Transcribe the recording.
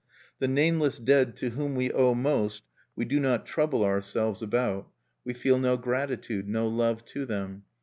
The nameless dead to whom we owe most we do not trouble ourselves about, we feel no gratitude, no love to them.